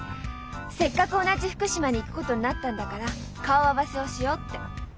せっかく同じ福島に行くことになったんだから顔合わせをしようって。